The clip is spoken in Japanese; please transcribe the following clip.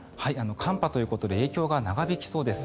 寒波ということで影響が長引きそうです。